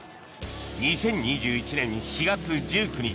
２０２１年４月１９日